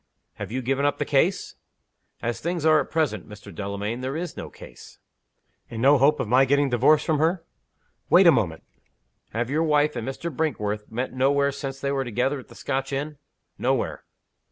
"Have you given up the case?" "As things are at present, Mr. Delamayn, there is no case." "And no hope of my getting divorced from her?" "Wait a moment. Have your wife and Mr. Brinkworth met nowhere since they were together at the Scotch inn?" "Nowhere."